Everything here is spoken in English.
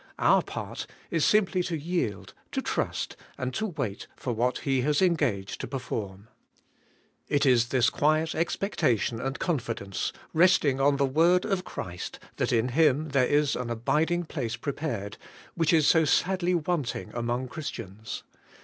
Our part is simply to yield, to trust, and to wait for what He has engaged to perform. It is this quiet expectation and confidence, resting on the word of Christ that in Him there is an abid ing place prepared, which is so sadly wanting among Christians.